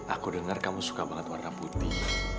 aku dengar kamu suka banget warna putih